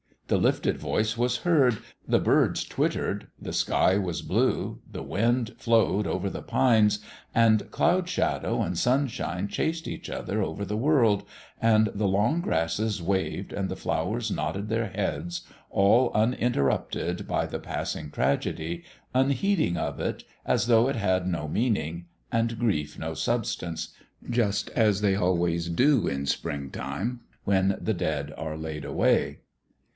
The lifted voice was heard, the birds twittered, the sky was blue, the wind flowed over the pines, and cloud shadow and 54 SOU/N IN DISHONOUR sunshine chased each other over the world, and the long grasses waved and the flowers nodded their heads, all uninterrupted by the passing tragedy, unheeding of it, as though it had no meaning, and grief no substance, just as they always do, in spring time, when the dead are laid away.